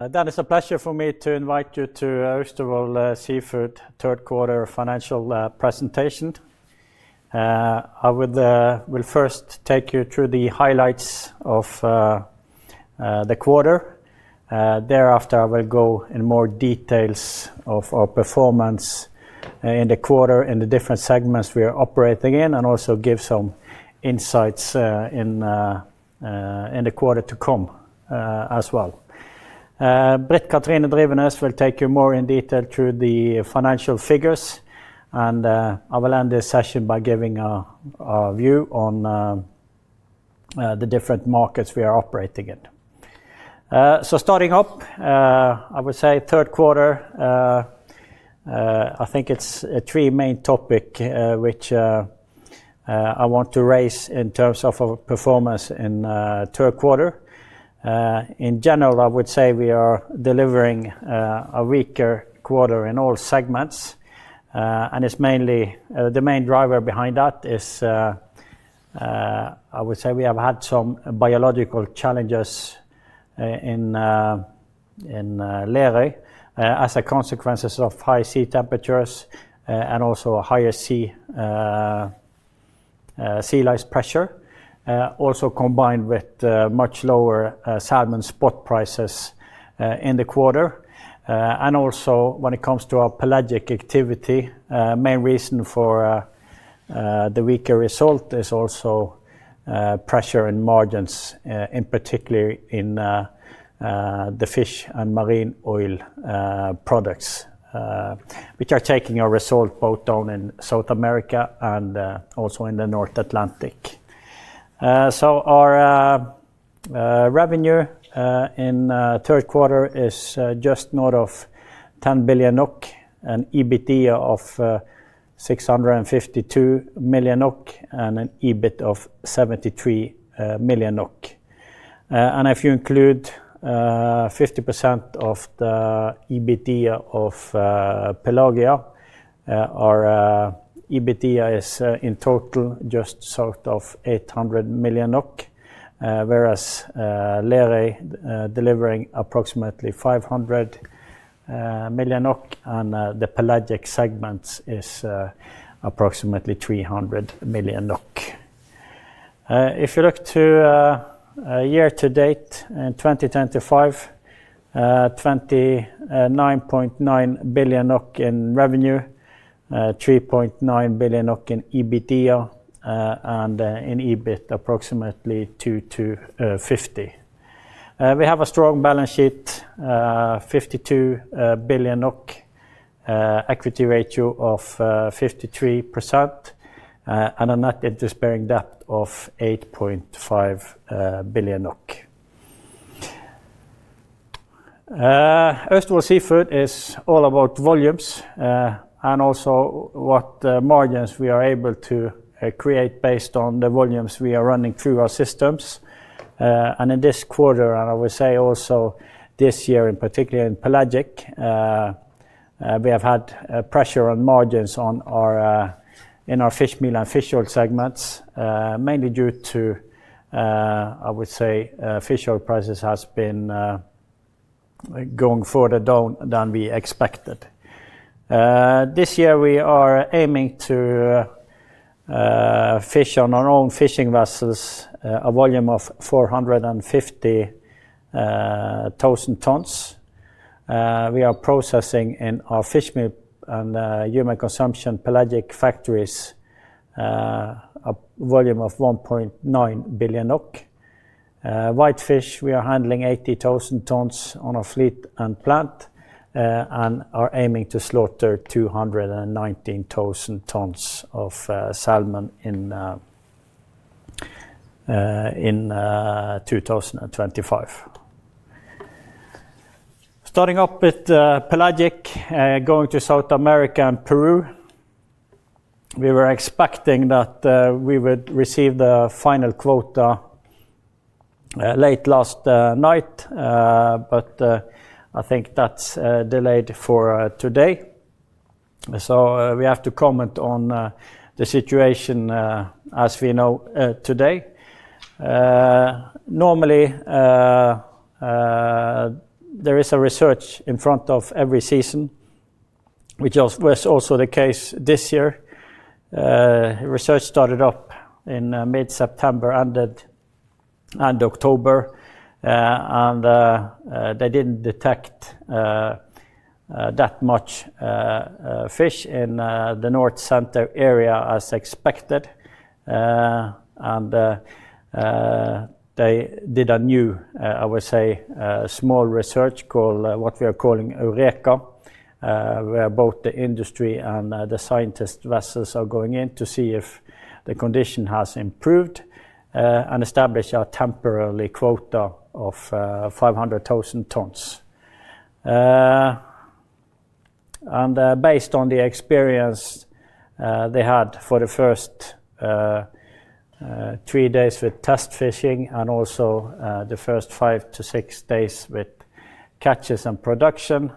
It is a pleasure for me to invite you to Austevoll Seafood's Third quarter financial presentation. I will first take you through the highlights of the quarter. Thereafter, I will go into more details of our performance in the quarter, in the different segments we are operating in, and also give some insights in the quarter to come as well. Britt Kathrine Drivenes will take you more in detail through the financial figures, and I will end this session by giving a view on the different markets we are operating in. Starting up, I would say Third quarter, I think it is three main topics which I want to raise in terms of our performance in the Third quarter. In general, I would say we are delivering a weaker quarter in all segments, and it's mainly the main driver behind that is, I would say, we have had some biological challenges in Lerøy as a consequence of high sea temperatures and also higher sea lice pressure, also combined with much lower salmon spot prices in the quarter. Also, when it comes to our pelagic activity, the main reason for the weaker result is also pressure in margins, in particular in the fish and marine oil products, which are taking our result both down in South America and also in the North Atlantic. Our revenue in the Third quarter is just north of 10 billion NOK, an EBITDA of 652 million NOK, and an EBIT of 73 million NOK. If you include 50% of the EBITDA of Pelagia, our EBITDA is in total just south of 800 million NOK, whereas Lerøy is delivering approximately 500 million NOK, and the pelagic segments are approximately 300 million NOK. If you look to year-to-date in 2025, 29.9 billion NOK in revenue, 3.9 billion NOK in EBITDA, and in EBIT approximately 250 million. We have a strong balance sheet, 52 billion NOK, equity ratio of 53%, and a net interest-bearing debt of 8.5 billion NOK. Austevoll Seafood is all about volumes and also what margins we are able to create based on the volumes we are running through our systems. In this quarter, and I would say also this year in particular in pelagic, we have had pressure on margins in our fish meal and fish oil segments, mainly due to, I would say, fish oil prices have been going further down than we expected. This year, we are aiming to fish on our own fishing vessels, a volume of 450,000 tons. We are processing in our fish meal and human consumption pelagic factories a volume of 1.9 billion. Whitefish, we are handling 80,000 tons on our fleet and plant, and are aiming to slaughter 219,000 tons of salmon in 2025. Starting up with pelagic, going to South America and Peru, we were expecting that we would receive the final quota late last night. I think that is delayed for today. We have to comment on the situation as we know today. Normally, there is research in front of every season, which was also the case this year. Research started up in mid-September and October, and they did not detect that much fish in the north-centre area as expected. They did a new, I would say, small research called what we are calling Eureka, where both the industry and the scientists' vessels are going in to see if the condition has improved and establish a temporary quota of 500,000 tons. Based on the experience they had for the first three days with test fishing and also the first five to six days with catches and production,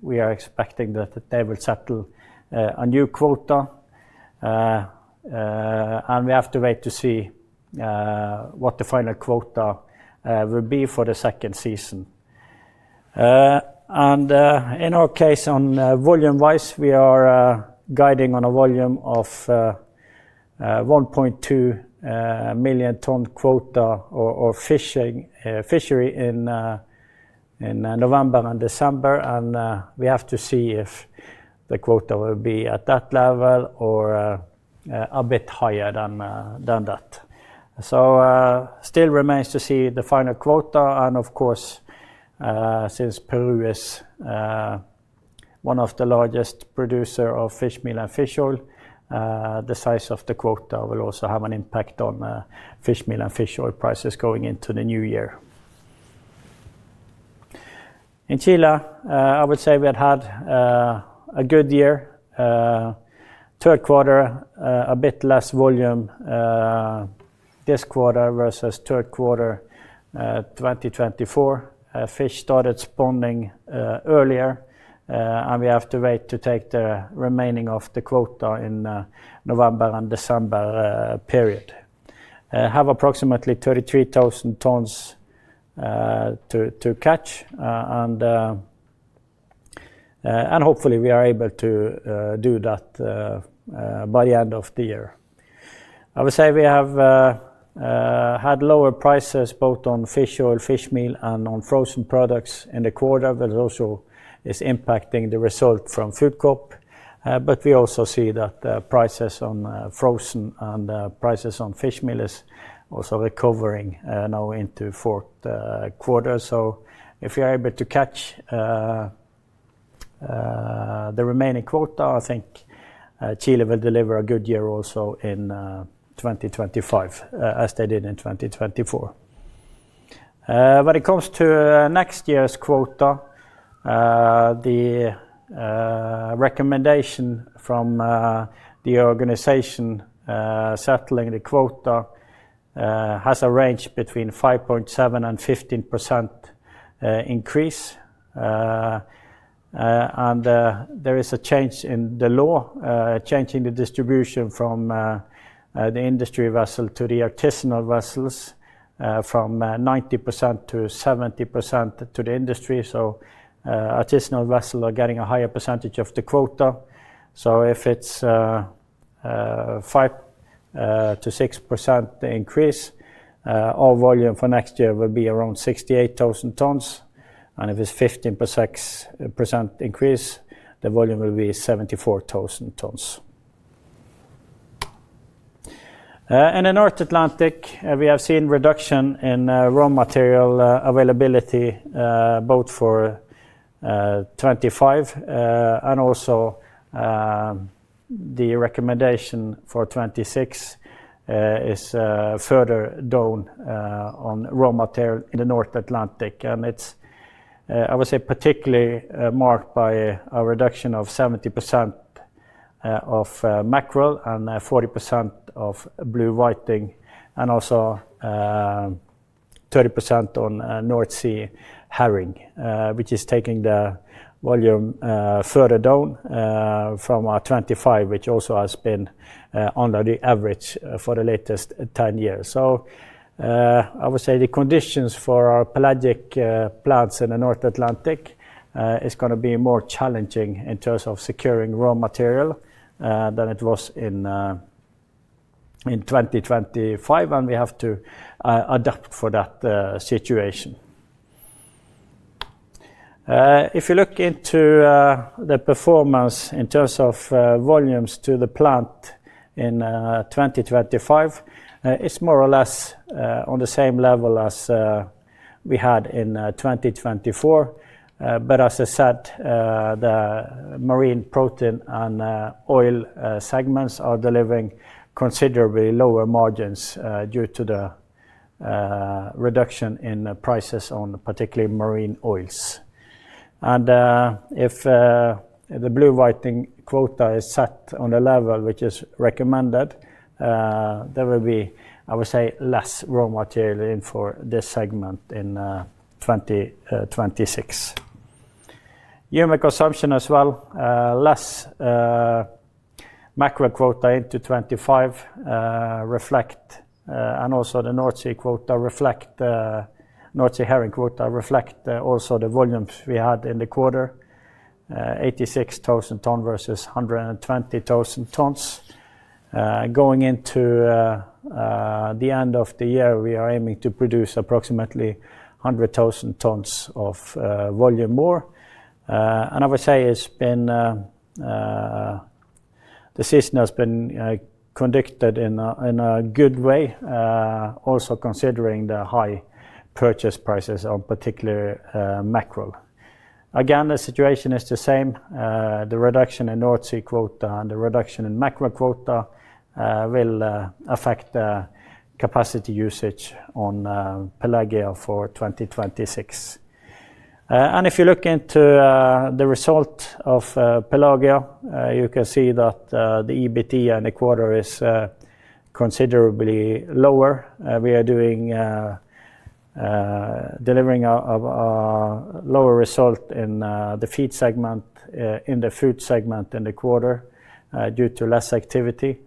we are expecting that they will settle a new quota, and we have to wait to see what the final quota will be for the second season. In our case, volume-wise, we are guiding on a volume of 1.2 million ton quota of fishery in November and December, and we have to see if the quota will be at that level or a bit higher than that. It still remains to see the final quota, and of course, since Peru is one of the largest producers of fish meal and fish oil, the size of the quota will also have an impact on fish meal and fish oil prices going into the new year. In Chile, I would say we had had a good year. Third quarter, a bit less volume this quarter versus Third quarter 2024. Fish started spawning earlier, and we have to wait to take the remaining of the quota in the November and December period. Have approximately 33,000 tons to catch, and hopefully we are able to do that by the end of the year. I would say we have had lower prices both on fish oil, fish meal, and on frozen products in the quarter, but also it's impacting the result from FoodCorp. But we also see that prices on frozen and prices on fish meal are also recovering now into fourth quarter. If we are able to catch the remaining quota, I think Chile will deliver a good year also in 2025, as they did in 2024. When it comes to next year's quota, the recommendation from the organisation settling the quota has a range between 5.7%-15% increase. There is a change in the law, a change in the distribution from the industry vessel to the artisanal vessels, from 90% to 70% to the industry. Artisanal vessels are getting a higher percentage of the quota. If it is a 5%-6% increase, our volume for next year will be around 68,000 tons. If it is a 15% increase, the volume will be 74,000 tons. In the North Atlantic, we have seen reduction in raw material availability both for 2025, and also the recommendation for 2026 is further down on raw material in the North Atlantic. It is, I would say, particularly marked by a reduction of 70% of mackerel and 40% of blue whiting, and also 30% on North Sea herring, which is taking the volume further down from 2025, which also has been under the average for the latest 10 years. I would say the conditions for our pelagic plants in the North Atlantic are going to be more challenging in terms of securing raw material than it was in 2025, and we have to adapt for that situation. If you look into the performance in terms of volumes to the plant in 2025, it is more or less on the same level as we had in 2024. As I said, the marine protein and oil segments are delivering considerably lower margins due to the reduction in prices on particularly marine oils. If the blue whiting quota is set on the level which is recommended, there will be, I would say, less raw material in for this segment in 2026. Human consumption as well, less mackerel quota into 2025 reflects, and also the North Sea quota reflects, North Sea herring quota reflects also the volumes we had in the quarter, 86,000 ton versus 120,000 tons. Going into the end of the year, we are aiming to produce approximately 100,000 tons of volume more. I would say it's been, the season has been conducted in a good way, also considering the high purchase prices on particularly mackerel. Again, the situation is the same. The reduction in North Sea quota and the reduction in mackerel quota will affect the capacity usage on Pelagia for 2026. If you look into the result of Pelagia, you can see that the EBITDA in the quarter is considerably lower. We are doing delivering a lower result in the feed segment, in the food segment in the quarter due to less activity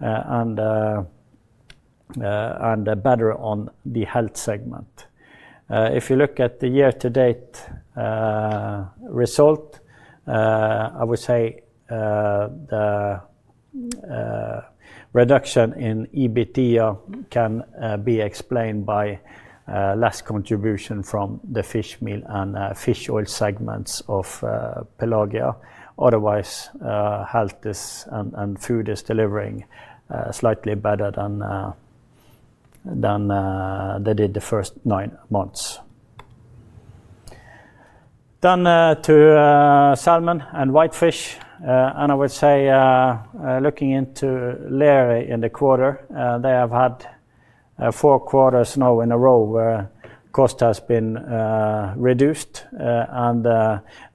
and better on the health segment. If you look at the year-to-date result, I would say the reduction in EBITDA can be explained by less contribution from the fish meal and fish oil segments of Pelagia. Otherwise, health is and food is delivering slightly better than they did the first nine months. To salmon and whitefish, I would say looking into Lerøy in the quarter, they have had four quarters now in a row where cost has been reduced and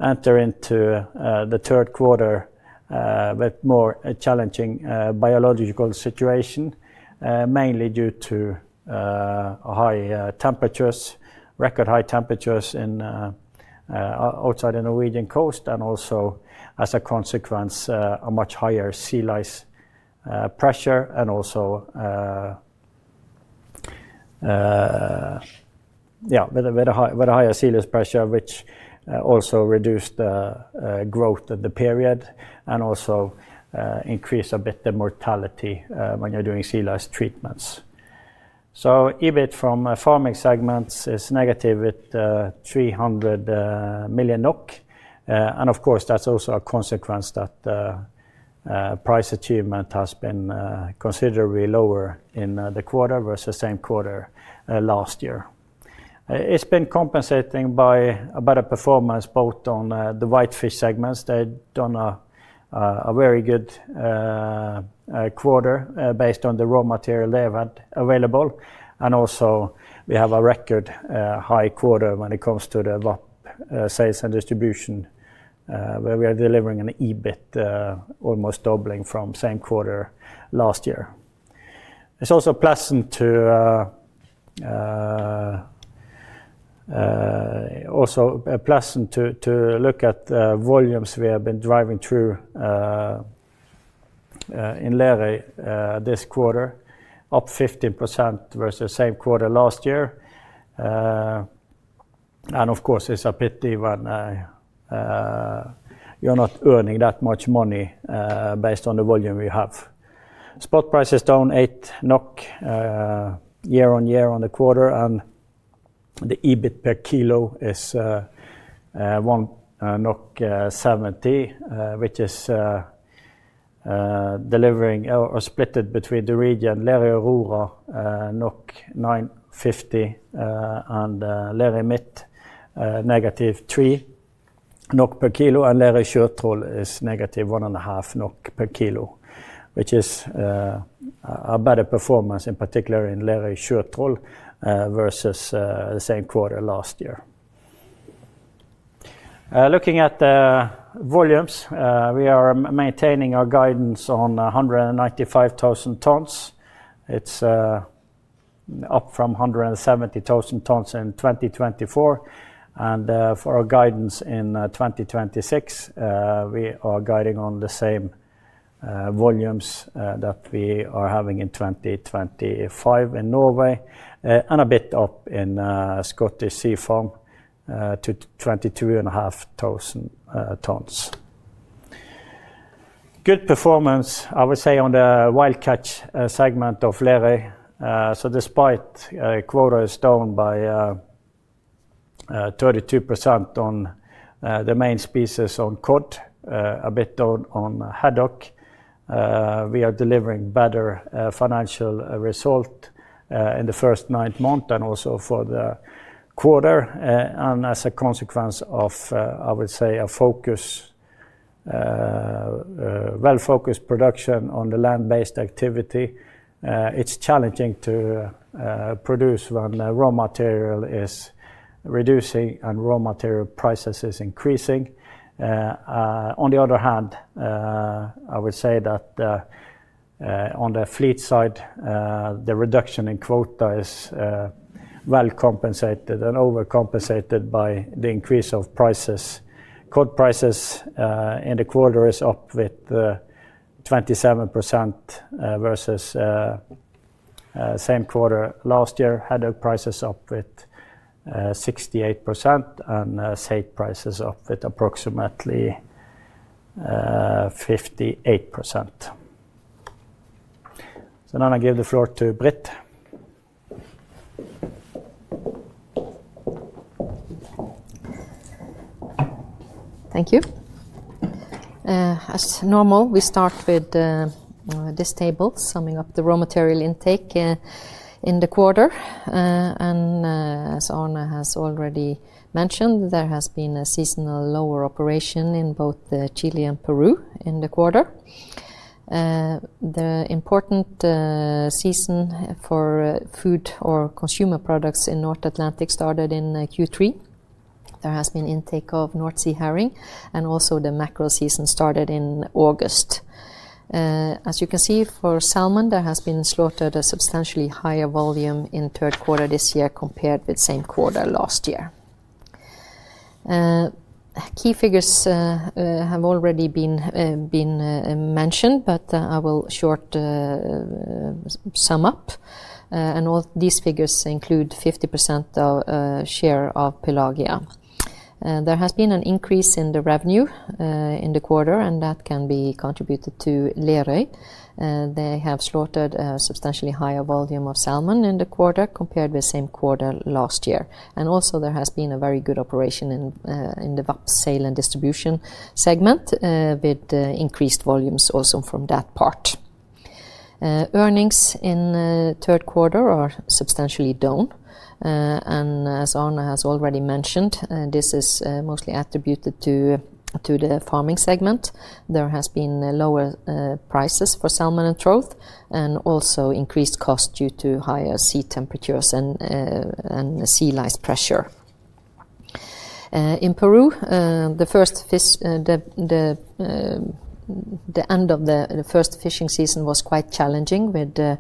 enter into the Third quarter with a more challenging biological situation, mainly due to high temperatures, record high temperatures outside the Norwegian coast, and also as a consequence, a much higher sea lice pressure, and also, yeah, with a higher sea lice pressure, which also reduced the growth of the period and also increased a bit the mortality when you're doing sea lice treatments. EBIT from farming segments is negative with 300 million NOK. Of course, that's also a consequence that price achievement has been considerably lower in the quarter versus same quarter last year. It's been compensating by a better performance both on the whitefish segments. They've done a very good quarter based on the raw material they have available and also we have a record high quarter when it comes to sales and distribution, delivering an EBIT almost doubling from the same quarter last year. It's also pleasant to look at volumes we have been driving through in leverage this quarter, up 50% versus the same quarter last year, and of course it's a bit even, we are not earning that much money based on the volume. Spot price is down 8 NOK Year-on-Year on the quarter, and the EBIT per kilo is 1.70 NOK, which is delivering or split it between the region Lerøy Aurora, 9.50, and Lerøy Midt, negative 3 NOK per kilo, and Lerøy Sjøtroll is negative 1.5 per kilo, which is a better performance in particular in Lerøy Sjøtroll versus same quarter last year. Looking at volumes, we are maintaining our guidance on 195,000 tons. It's up from 170,000 tons in 2024. For our guidance in 2026, we are guiding on the same volumes that we are having in 2025 in Norway and a bit up in Scottish Seafarms to 22,500 tons. Good performance, I would say, on the wildcatch segment of Lerøy. Despite quota is down by 32% on the main species on cod, a bit down on haddock, we are delivering better financial result in the first nine months and also for the quarter. As a consequence of, I would say, a focus, well-focused production on the land-based activity, it is challenging to produce when raw material is reducing and raw material prices are increasing. On the other hand, I would say that on the fleet side, the reduction in quota is well compensated and overcompensated by the increase of prices. Cod prices in the quarter is up with 27% versus same quarter last year. Haddock prices up with 68% and saithe prices up with approximately 58%. Now I give the floor to Britt. Thank you. As normal, we start with this table, summing up the raw material intake in the quarter. As Arne has already mentioned, there has been a seasonal lower operation in both Chile and Peru in the quarter. The important season for food or consumer products in North Atlantic started in Q3. There has been intake of North Sea herring, and also the mackerel season started in August. As you can see, for salmon, there has been slotted a substantially higher volume in Third quarter this year compared with same quarter last year. Key figures have already been mentioned, but I will short sum up. All these figures include 50% share of Pelagia. There has been an increase in the revenue in the quarter, and that can be contributed to Lerøy. They have slotted a substantially higher volume of salmon in the quarter compared with same quarter last year. There has also been a very good operation in the VAP sale and distribution segment with increased volumes also from that part. Earnings in the Third quarter are substantially down. As Arne has already mentioned, this is mostly attributed to the farming segment. There have been lower prices for salmon and trout, and also increased costs due to higher sea temperatures and sea lice pressure. In Peru, the end of the first fishing season was quite challenging with a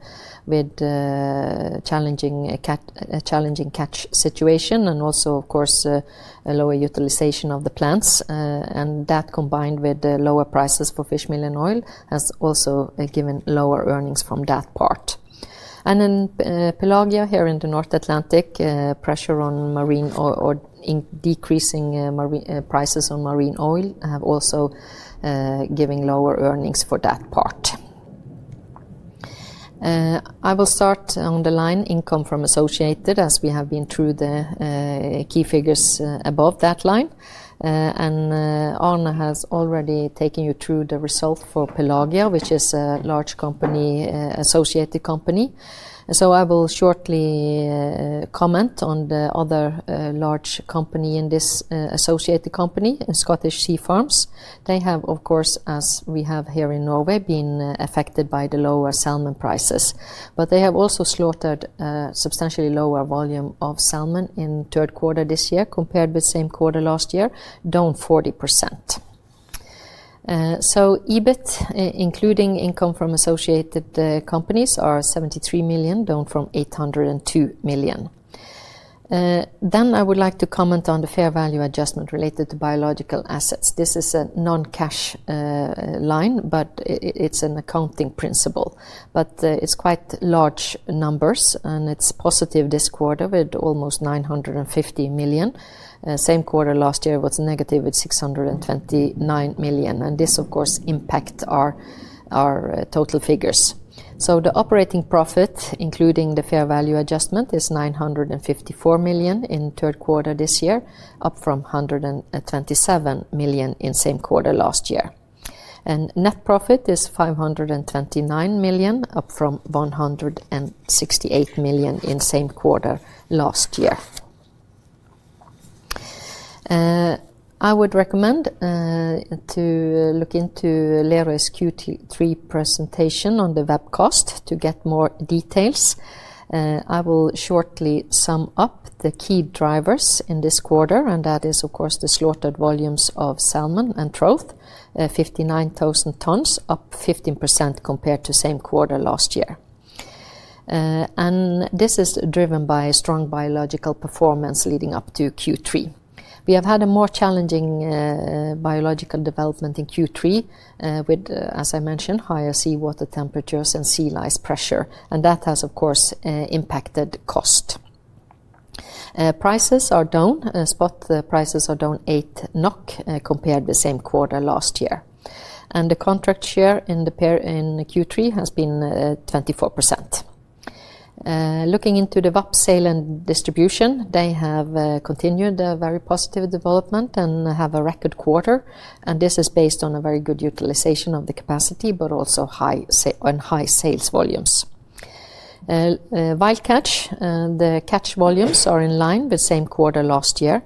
challenging catch situation and also, of course, lower utilization of the plants. That combined with lower prices for fish meal and oil has also given lower earnings from that part. In Pelagia here in the North Atlantic, pressure on or decreasing prices on marine oil have also given lower earnings for that part. I will start on the line income from associated as we have been through the key figures above that line. Arne has already taken you through the result for Pelagia, which is a large associated company. I will shortly comment on the other large company in this associated company, Scottish Seafarms. They have, of course, as we have here in Norway, been affected by the lower salmon prices. They have also slotted a substantially lower volume of salmon in Third quarter this year compared with same quarter last year, down 40%. EBIT, including income from associated companies, are 73 million, down from 802 million. I would like to comment on the fair value adjustment related to biological assets. This is a non-cash line, but it is an accounting principle. It is quite large numbers, and it is positive this quarter with almost 950 million. Same quarter last year was negative with 629 million. This, of course, impacts our total figures. The operating profit, including the fair value adjustment, is 954 million in Third quarter this year, up from 127 million in same quarter last year. Net profit is 529 million, up from 168 million in same quarter last year. I would recommend to look into Lerøy's Q3 presentation on the VAP cost to get more details. I will shortly sum up the key drivers in this quarter, and that is, of course, the slotted volumes of salmon and trout, 59,000 tons, up 15% compared to same quarter last year. This is driven by strong biological performance leading up to Q3. We have had a more challenging biological development in Q3 with, as I mentioned, higher seawater temperatures and sea lice pressure. That has, of course, impacted cost. Prices are down. Spot prices are down 8 NOK compared with same quarter last year. The contract share in Q3 has been 24%. Looking into the VAP sale and distribution, they have continued a very positive development and have a record quarter. This is based on a very good utilisation of the capacity, but also high sales volumes. Wildcatch, the catch volumes are in line with same quarter last year.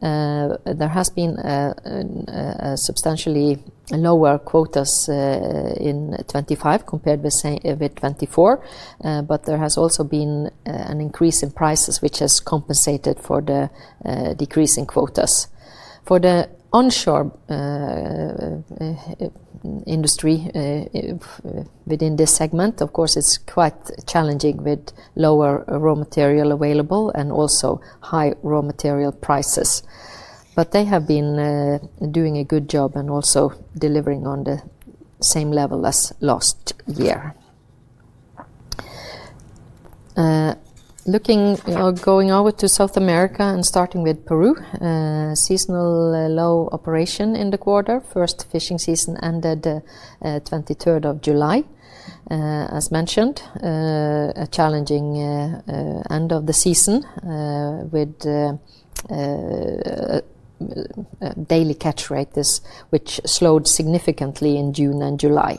There has been a substantially lower quotas in 2025 compared with 2024. There has also been an increase in prices, which has compensated for the decrease in quotas. For the onshore industry within this segment, of course, it is quite challenging with lower raw material available and also high raw material prices. They have been doing a good job and also delivering on the same level as last year. Looking or going over to South America and starting with Peru, seasonal low operation in the quarter. First fishing season ended 23rd of July. As mentioned, a challenging end of the season with daily catch rates, which slowed significantly in June & July.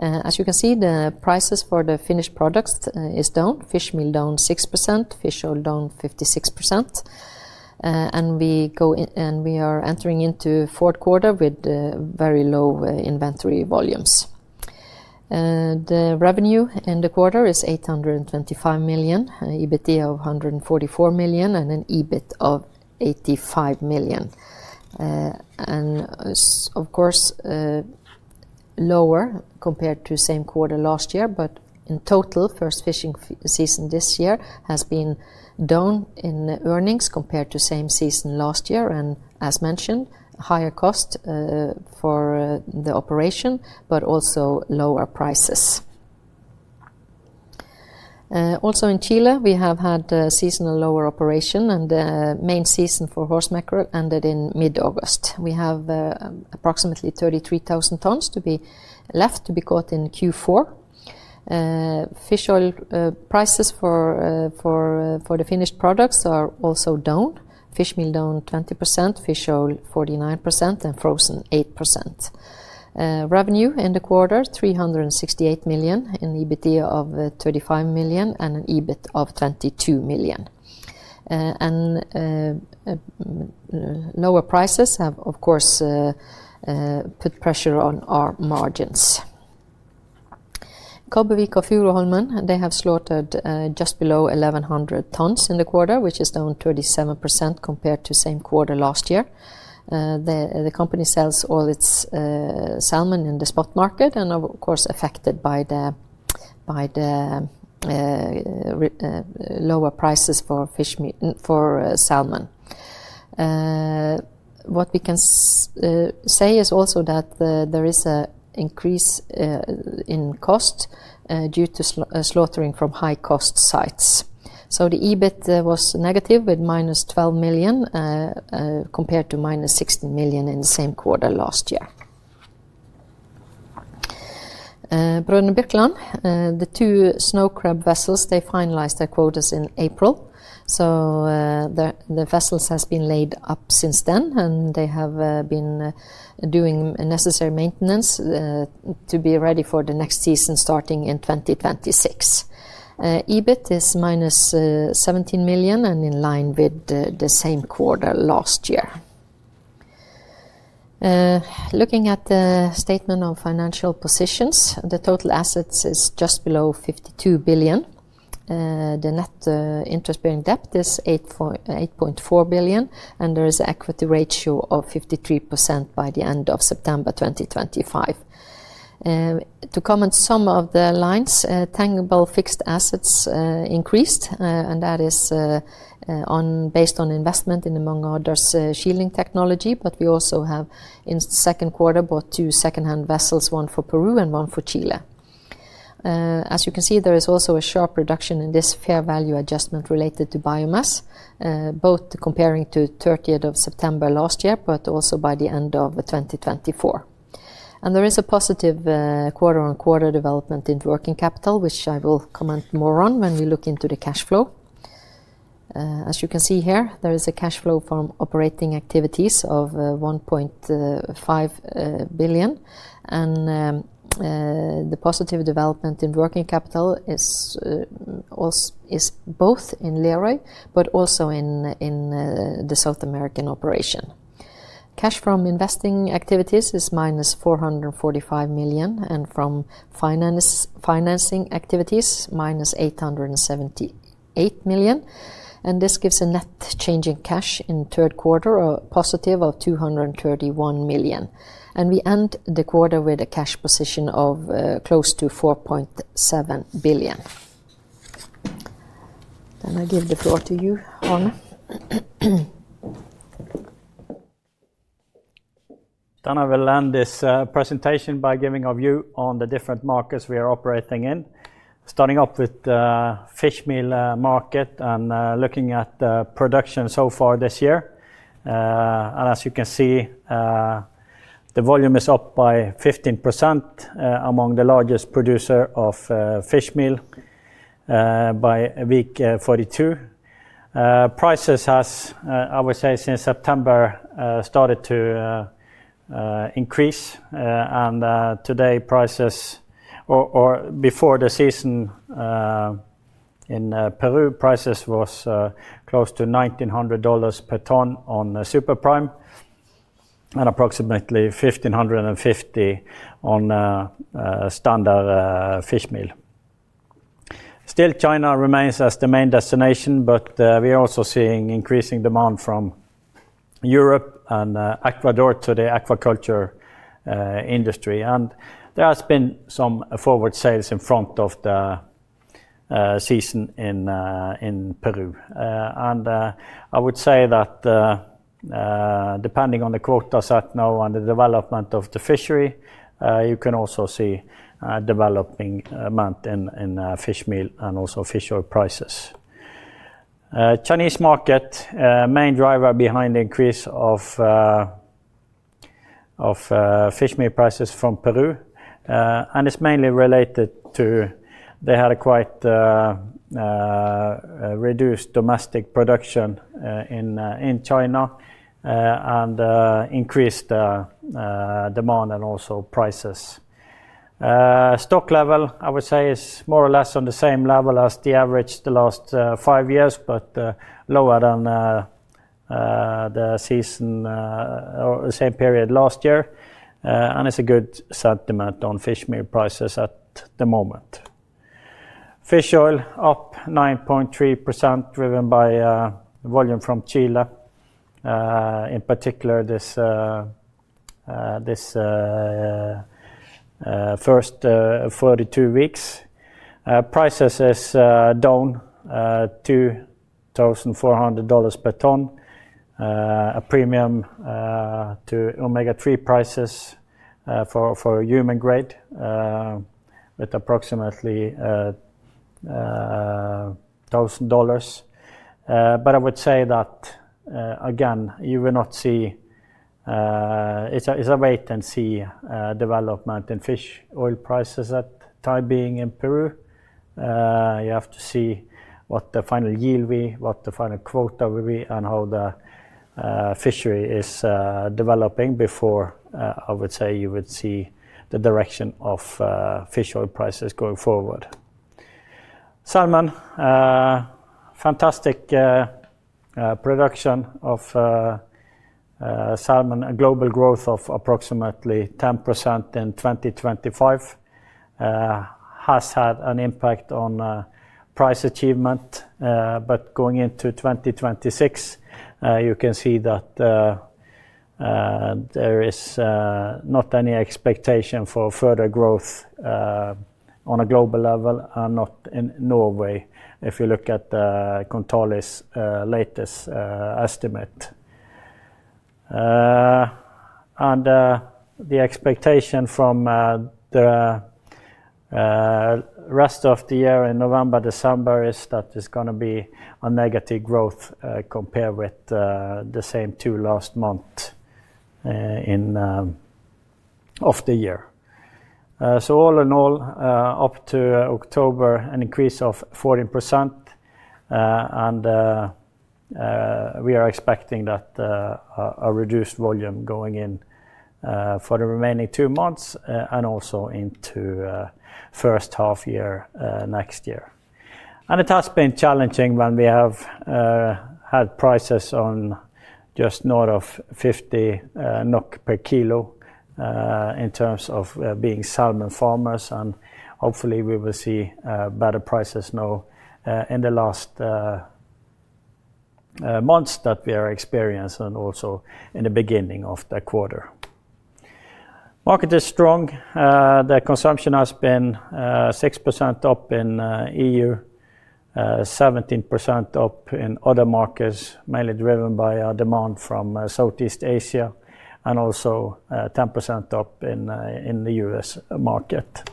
As you can see, the prices for the finished products are down. Fish meal down 6%, fish oil down 56%. We are entering into fourth quarter with very low inventory volumes. The revenue in the quarter is 825 million, EBIT of 144 million, and an EBIT of 85 million. Of course, lower compared to same quarter last year. In total, first fishing season this year has been down in earnings compared to same season last year. As mentioned, higher cost for the operation, but also lower prices. Also in Chile, we have had seasonal lower operation, and the main season for horse mackerel ended in mid-August. We have approximately 33,000 tons to be left to be caught in Q4. Fish oil prices for the finished products are also down. Fish meal down 20%, fish oil 49%, and frozen 8%. Revenue in the quarter, 368 million in EBIT of 35 million and an EBIT of 22 million. Lower prices have, of course, put pressure on our margins. Kobbe Vik & Furu Holmen, they have slotted just below 1,100 tons in the quarter, which is down 37% compared to same quarter last year. The company sells all its salmon in the spot market and, of course, affected by the lower prices for salmon. What we can say is also that there is an increase in cost due to slotting from high cost sites. The EBIT was negative with minus 12 million compared to minus 16 million in the same quarter last year. Brønnøybirkeland, the two snow crab vessels, finalized their quotas in April. The vessels have been laid up since then, and they have been doing necessary maintenance to be ready for the next season starting in 2026. EBIT is minus 17 million and in line with the same quarter last year. Looking at the statement of financial positions, the total assets is just below 52 billion. The net interest-bearing debt is 8.4 billion, and there is an equity ratio of 53% by the end of September 2025. To comment on some of the lines, tangible fixed assets increased, and that is based on investment in, among others, shielding technology. We also have in the second quarter bought two second-hand vessels, one for Peru and one for Chile. As you can see, there is also a sharp reduction in this fair value adjustment related to biomass, both comparing to 30th of September last year, but also by the end of 2024. There is a positive quarter-on-quarter development in working capital, which I will comment more on when we look into the cash flow. As you can see here, there is a cash flow from operating activities of 1.5 billion. The positive development in working capital is both in Lerøy, but also in the South American operation. Cash from investing activities is -445 million, and from financing activities, -878 million. This gives a net change in cash in Third quarter positive of 231 million. We end the quarter with a cash position of close to 4.7 billion. I give the floor to you, Arne. I will end this presentation by giving a view on the different markets we are operating in, starting off with the fish meal market and looking at production so far this year. As you can see, the volume is up by 15% among the largest producer of fish meal by week 42. Prices have, I would say, since September started to increase. Today, prices, or before the season in Peru, were close to $1,900 per ton on super prime and approximately $1,550 on standard fish meal. Still, China remains as the main destination, but we are also seeing increasing demand from Europe and Ecuador to the aquaculture industry. There has been some forward sales in front of the season in Peru. I would say that depending on the quotas at now and the development of the fishery, you can also see a developing amount in fish meal and also fish oil prices. Chinese market, main driver behind the increase of fish meal prices from Peru, and it's mainly related to they had a quite reduced domestic production in China and increased demand and also prices. Stock level, I would say, is more or less on the same level as the average the last five years, but lower than the season or the same period last year. It is a good sentiment on fish meal prices at the moment. Fish oil up 9.3% driven by volume from Chile, in particular this first 32 weeks. Prices is down $2,400 per ton, a premium to omega-3 prices for human grade with approximately $1,000. But I would say that, again, you will not see it's a wait and see development in fish oil prices at the time being in Peru. You have to see what the final yield will be, what the final quota will be, and how the fishery is developing before, I would say, you would see the direction of fish oil prices going forward. Salmon, fantastic production of salmon, a global growth of approximately 10% in 2025 has had an impact on price achievement. Going into 2026, you can see that there is not any expectation for further growth on a global level and not in Norway if you look at Kontali's latest estimate. The expectation from the rest of the year in November, December is that there's going to be a negative growth compared with the same two last months of the year. All in all, up to October, an increase of 14%. We are expecting a reduced volume going in for the remaining two months and also into the first half year next year. It has been challenging when we have had prices just north of 50 NOK per kilo in terms of being salmon farmers. Hopefully, we will see better prices now in the last months that we are experiencing and also in the beginning of the quarter. Market is strong. The consumption has been 6% up in the EU, 17% up in other markets, mainly driven by demand from Southeast Asia, and also 10% up in the U.S. market.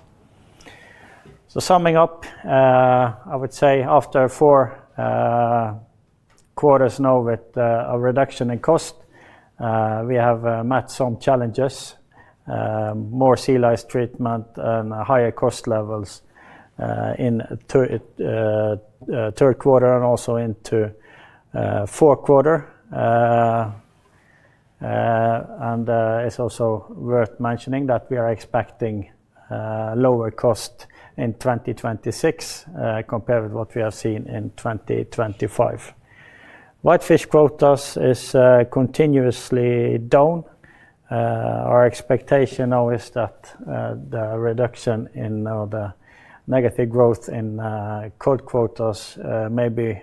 Summing up, I would say after four quarters now with a reduction in cost, we have met some challenges, more sea lice treatment and higher cost levels in Third quarter and also into Fourth quarter. It is also worth mentioning that we are expecting lower cost in 2026 compared with what we have seen in 2025. Whitefish quotas are continuously down. Our expectation now is that the reduction in the negative growth in cod quotas maybe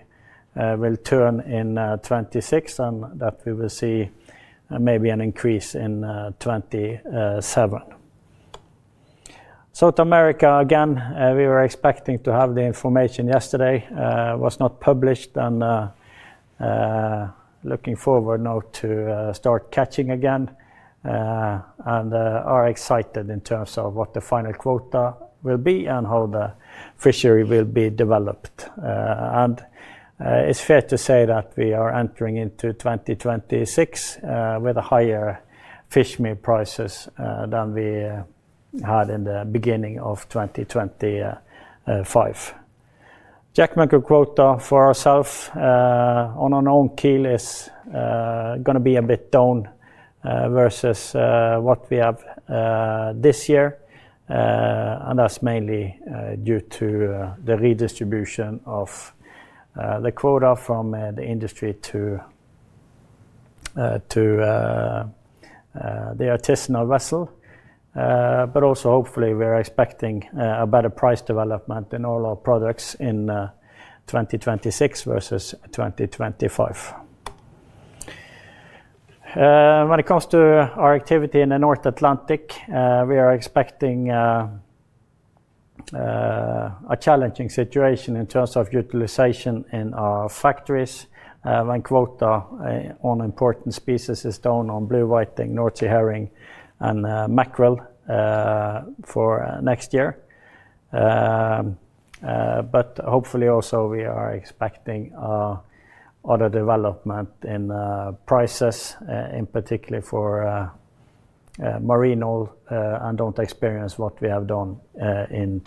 will turn in 2026 and that we will see maybe an increase in 2027. South America, again, we were expecting to have the information yesterday. It was not published. Looking forward now to start catching again. We are excited in terms of what the final quota will be and how the fishery will be developed. It is fair to say that we are entering into 2026 with higher fish meal prices than we had in the beginning of 2025. Horse mackerel quota for ourselves on our own keel is going to be a bit down versus what we have this year. That is mainly due to the redistribution of the quota from the industry to the artisanal vessel. Also, hopefully, we are expecting a better price development in all our products in 2026 versus 2025. When it comes to our activity in the North Atlantic, we are expecting a challenging situation in terms of utilization in our factories. One quota on important species is down on blue whiting, North Sea herring, and mackerel for next year. Hopefully, also, we are expecting other development in prices, in particular for marine oil, and do not experience what we have done in.